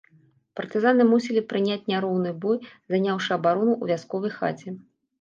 Партызаны мусілі прыняць няроўны бой, заняўшы абарону ў вясковай хаце.